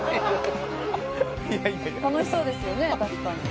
「楽しそうですよね確かに」